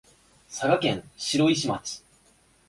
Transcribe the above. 佐賀県白石町